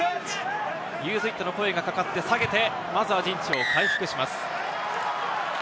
ユーズイットの声がかかって、下げて、まずは陣地を回復します。